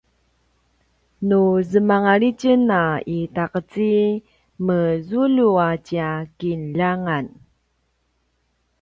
nu zemangal itjen a itaqeci mezulju a tja kinljangan